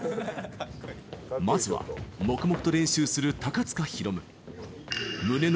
まずは、黙々と練習する高塚大夢。